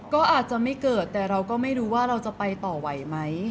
ก็อาจจะไม่เกิดแต่เราก็ไม่รู้ว่าเราจะไปต่อไหวไหม